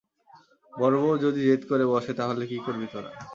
বড়োবউ যদি জেদ ধরে বসে তা হলে কী করবি তোরা?